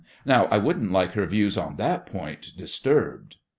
Now I shouldn't like her views on that point disturbed.